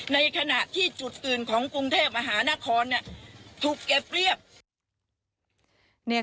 ในขณะที่จุดอื่นของกรุงเทพมหานครถูกเก็บเรียบ